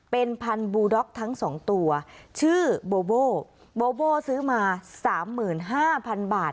เป็นพันร์บูดักทั้งสองตัวชื่อบรูโบซื้อมาสามหมื่นห้าพันบาท